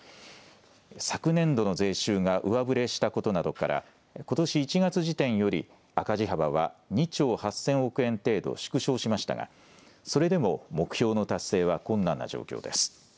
昨年度の税収が上振れしたことなどからことし１月時点より赤字幅は２兆８０００億円程度縮小しましたが、それでも目標の達成は困難な状況です。